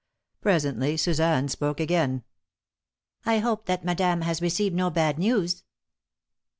Presently Suzanne spoke again. "I hope that madame has received no bad news."